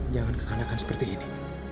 jangan kekanakan seperti ini